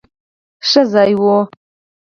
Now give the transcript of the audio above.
ښه ځای وو.